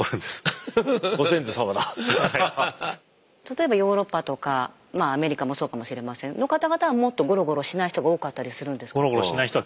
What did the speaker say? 例えばヨーロッパとかまあアメリカもそうかもしれませんの方々はもっとゴロゴロしない人が多かったりするんですか？